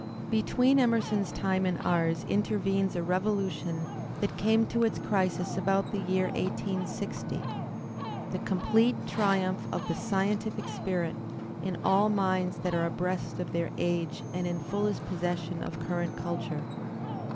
I Between Emerson's time and ours intervenes a revolution I that came to its crisis about the year 1860, the complete // triumph of the scientific spirit in all minds that are abreast / of their age and in fullest possession of current culture.